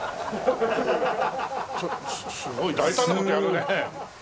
すごい大胆な事やるね。